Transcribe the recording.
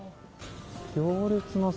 行列の先。